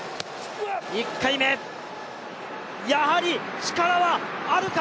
１回目、やはり力はあるか？